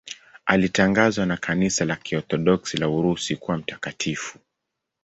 Alitangazwa na Kanisa la Kiorthodoksi la Urusi kuwa mtakatifu.